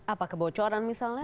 apa kebocoran misalnya atau